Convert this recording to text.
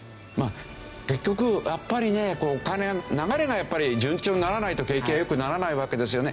結局やっぱりねお金は流れが順調にならないと景気は良くならないわけですよね。